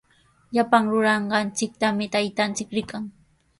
Llapan ruranqanchiktami taytanchik rikan.